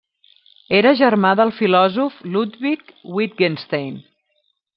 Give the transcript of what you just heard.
Era germà del filòsof Ludwig Wittgenstein.